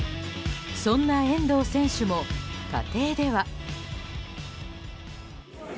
そんな遠藤選手も家庭では。